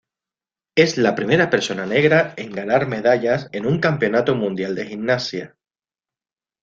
Es la primera persona negra en ganar medallas en un campeonato mundial de gimnasia.